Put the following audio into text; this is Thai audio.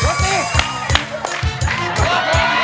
มาตรฐาน